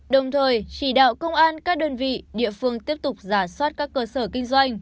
đồng thời chỉ đạo công an các đơn vị địa phương tiếp tục giả soát các cơ sở kinh doanh